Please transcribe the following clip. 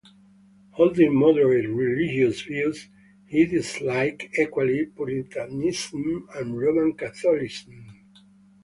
Holding moderate religious views, he disliked equally Puritanism and Roman Catholicism.